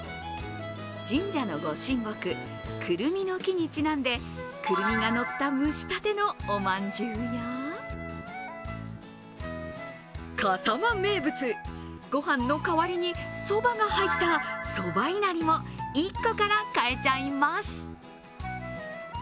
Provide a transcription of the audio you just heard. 神社の御神木、胡桃の木にちなんで胡桃がのった蒸したてのおまんじゅうや、笠間名物、ごはんの代わりにそばが入ったそばいなりも１個から買えちゃいます。